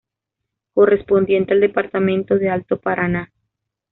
Correspondiente al Departamento de Alto Paraná.